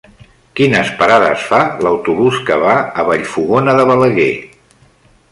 Quines parades fa l'autobús que va a Vallfogona de Balaguer?